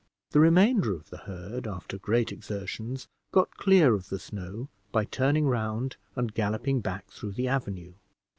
The remainder of the herd, after great exertions, got clear of the snow by turning round and galloping back through the avenue.